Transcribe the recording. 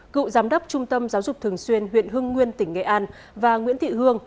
cựu giám đốc trung tâm giáo dục thường xuyên huyện hưng nguyên tỉnh nghệ an và nguyễn thị hương